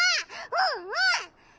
うんうん！